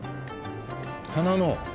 花の。